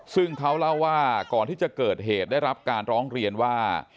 ซึ่งเขาเล่าว่าก่อนที่จะเกิดเหตุได้รับการร้องเรียนว่า